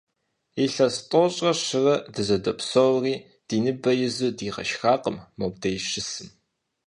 Илъэс тӀощӀрэ щырэ дыздопсэури, ди ныбэ изу дигъэшхакъым мобдеж щысым.